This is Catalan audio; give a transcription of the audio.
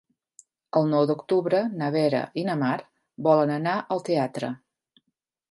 El nou d'octubre na Vera i na Mar volen anar al teatre.